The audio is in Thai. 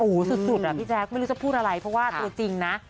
โอ้โหสุดอะพี่แจ๊คไม่รู้จะพูดอะไรเพราะว่าตัวจริงนะ